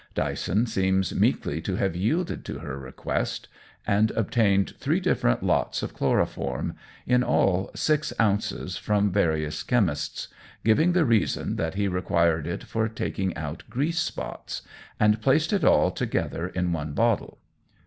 Dyson seems meekly to have yielded to her request, and obtained three different lots of chloroform, in all six ounces, from various chemists, giving the reason, that he required it for taking out grease spots, and placed it all together in one bottle.